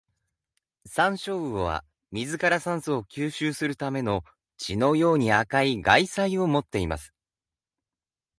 サンショウウオは、水から酸素を吸収するための、血のように赤い外鰓を持っています。